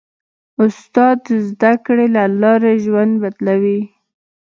استاد د زدهکړې له لارې ژوند بدلوي.